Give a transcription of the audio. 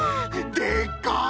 でっかい！